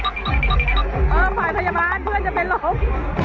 เออฝ่ายพยาบาลเพื่อนจะเป็นลม